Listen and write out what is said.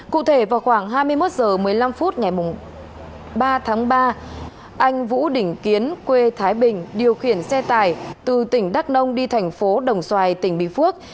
cụ thể vào khoảng hai mươi một h một mươi năm phút ngày ba tháng ba anh vũ đình kiến quê thái bình điều khiển xe tải từ tỉnh đắk nông đi thành phố đồng xoài tỉnh bình phước